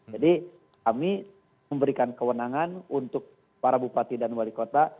jadi kami memberikan kewenangan untuk para bupati dan wali kota